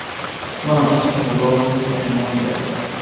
まあ一種の語呂合せみたいなものであり、